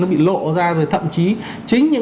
nó bị lộ ra rồi thậm chí chính những